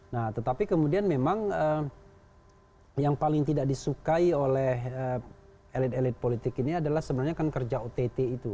nah tetapi kemudian memang yang paling tidak disukai oleh elit elit politik ini adalah sebenarnya kan kerja ott itu